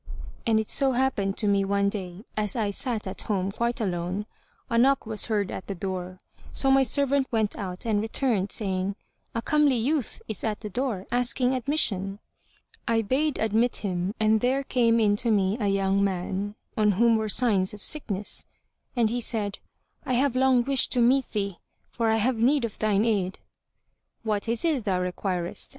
And it so happened to me one day, as I sat at home quite alone, a knock was heard at the door; so my servant went out and returned, saying, "A comely youth is at the door, asking admission." I bade admit him and there came in to me a young man, on whom were signs of sickness, and he said, "I have long wished to meet thee, for I have need of thine aid." "What is it thou requirest?"